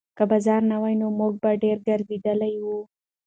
که باران نه وای، موږ به ډېر ګرځېدلي وو.